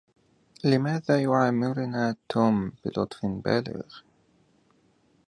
لماذا يعاملنا توم بلطف بالغ؟